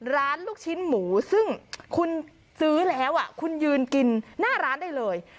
ลูกชิ้นหมูซึ่งคุณซื้อแล้วคุณยืนกินหน้าร้านได้เลย